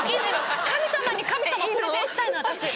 神様に神様プレゼンしたいの私。